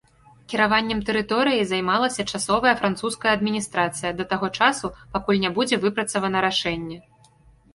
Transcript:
Кіраваннем тэрыторыяй займалася часовая французская адміністрацыя да таго часу, пакуль не будзе выпрацавана рашэнне.